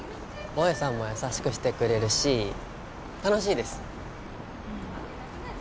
萌さんも優しくしてくれるし楽しいです！